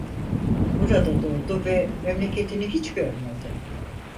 Burada doğdu ve memleketini hiç görmedi.